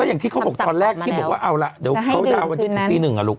แล้วอย่างที่เขาบอกตอนแรกที่บอกว่าเอาละเดี๋ยวเขาจะเอาปี๑อ่ะลูก